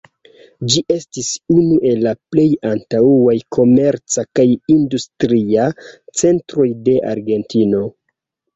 Ĝi estis unu el la plej antaŭaj komerca kaj industria centroj de Argentino.